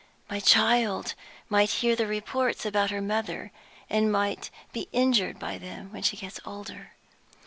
My child might hear the reports about her mother, and might be injured by them when she gets older.